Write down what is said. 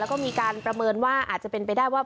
แล้วก็มีการประเมินว่าอาจจะเป็นไปได้ว่า